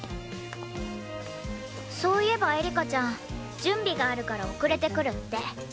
そういえばエリカちゃん準備があるから遅れて来るって。